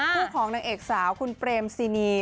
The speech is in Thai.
คู่ของนางเอกสาวคุณเปรมซินี